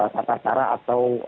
tata cara atau